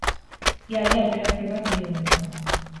Ia-ia operazio bat bi eguneko.